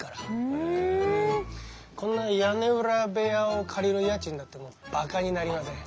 こんな屋根裏部屋を借りる家賃なんてばかになりません。